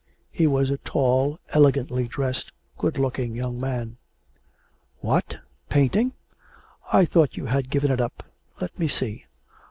He was a tall, elegantly dressed, good looking young man. 'What! painting? I thought you had given it up. Let me see.'